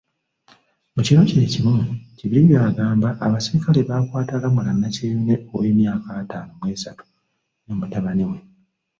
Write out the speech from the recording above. Mu kiro kyekimu, Kibirige agamba abasirikale baakwata Lamulah Nakyeyune owemyaka ataano mw'esatu ne mutabani we.